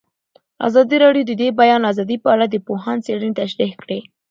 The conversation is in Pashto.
ازادي راډیو د د بیان آزادي په اړه د پوهانو څېړنې تشریح کړې.